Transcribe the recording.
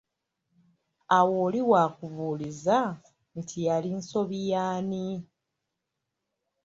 Awo oli wakubuuliza nti yali nsobi y'ani?